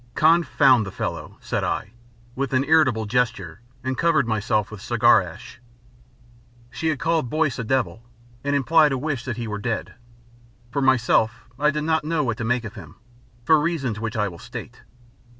"Confound the fellow," said I, with an irritable gesture and covered myself with cigar ash. She had called Boyce a devil and implied a wish that he were dead. For myself I did not know what to make of him, for reasons which I will state.